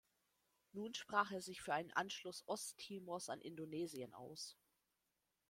Nun sprach er sich für einen Anschluss Osttimors an Indonesien aus.